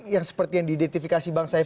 yang seperti yang diidentifikasi bang saif